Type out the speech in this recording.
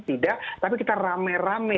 tidak tapi kita rame rame